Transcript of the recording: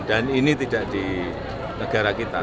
dan ini tidak di negara kita